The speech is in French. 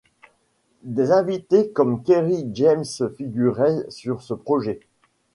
Des invités comme Kery James figuraient sur ce projet.